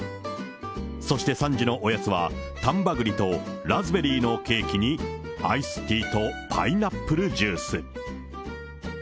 そして３時のおやつは丹波栗とラズベリーのケーキに、アイスティーとパイナップルジュース。